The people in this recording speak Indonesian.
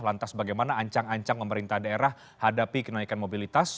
lantas bagaimana ancang ancang pemerintah daerah hadapi kenaikan mobilitas